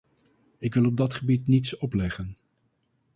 Ik wil op dat gebied niets opleggen.